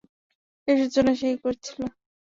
এর সূচনা সে-ই করেছিল।